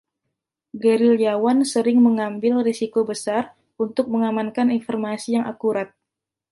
Gerilyawan sering mengambil risiko besar untuk mengamankan informasi yang akurat.